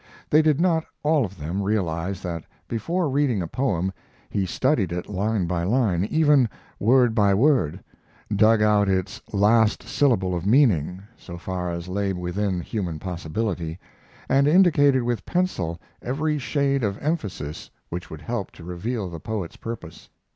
They did not all of them realize that before reading a poem he studied it line by line, even word by word; dug out its last syllable of meaning, so far as lay within human possibility, and indicated with pencil every shade of emphasis which would help to reveal the poet's purpose.